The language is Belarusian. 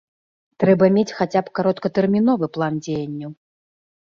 Трэба мець хаця б кароткатэрміновы план дзеянняў.